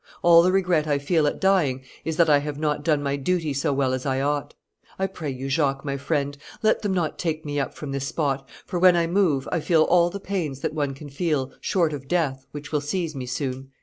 All the regret I feel at dying is that I have not done my duty so well as I ought. I pray you, Jacques, my friend, let them not take me up from this spot, for, when I move, I feel all the pains that one can feel, short of death, which will seize me soon."